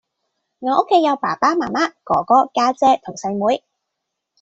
我屋企有爸爸媽媽，哥哥，家姐同細妹